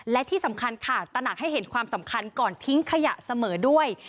และที่สำคัญค่ะตนักให้เห็นความสำคัญก่อนทิ้งขยะเสมอด้วย